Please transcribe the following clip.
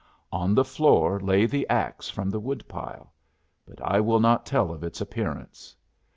On the floor lay the axe from the wood pile; but I will not tell of its appearance.